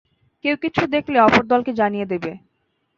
কেউ কিছু দেখলে অপর দলকে জানিয়ে দিবে।